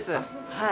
はい。